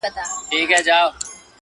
کله کله به خبر دومره اوږده سوه!